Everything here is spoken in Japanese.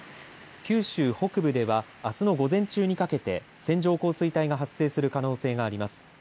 九州北部ではあすの午前中にかけて線状降水帯が発生する可能性があります。